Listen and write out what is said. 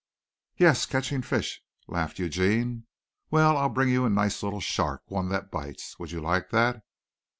"Yes, catching fish," laughed Eugene. "Well, I'll bring you a nice little shark one that bites. Would you like that?